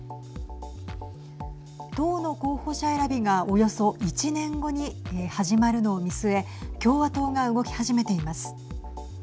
党の候補者選びがおよそ１年後に始まるのを見据え共和党が動き始めています。